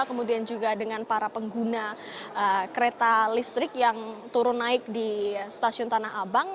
kemudian juga dengan para pengguna kereta listrik yang turun naik di stasiun tanah abang